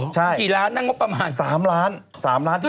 ครับกี่ล้านทั้งต่างก็ประมาณนี้